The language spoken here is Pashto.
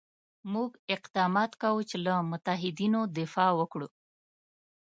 موږ اقدامات کوو چې له متحدینو دفاع وکړو.